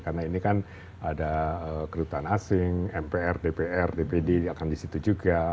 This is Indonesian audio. karena ini kan ada kedutaan asing mpr dpr dpd akan disitu juga